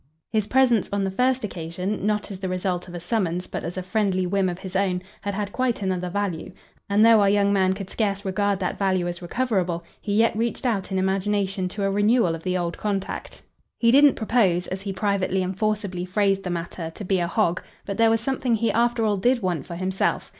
His presence on the first occasion, not as the result of a summons, but as a friendly whim of his own, had had quite another value; and though our young man could scarce regard that value as recoverable he yet reached out in imagination to a renewal of the old contact. He didn't propose, as he privately and forcibly phrased the matter, to be a hog; but there was something he after all did want for himself.